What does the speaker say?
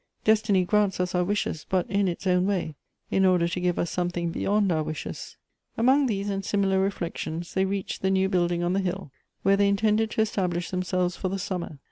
Destiny grants us our wishes, but in its own way, in order to give us something beyond our wishes. Among these and similar reflections they reached the new building on the hill, where they intended to estab lish themselves for the summer.